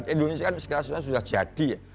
indonesia kan sekalian sudah jadi